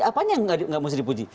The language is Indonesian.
apanya yang nggak mesti dipuji